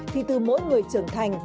thì từ mỗi người trưởng thành